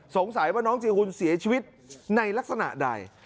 สงสัยว่าน้องจีหุ่นเสียชีวิตในลักษณะใด